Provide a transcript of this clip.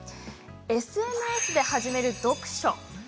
ＳＮＳで始める読書です。